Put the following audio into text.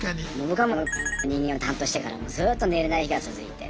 僕はの人間を担当してからずっと寝れない日が続いて。